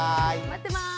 待ってます。